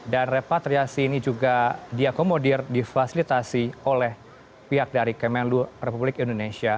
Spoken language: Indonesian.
dan repatriasi ini juga diakomodir difasilitasi oleh pihak dari kmlu republik indonesia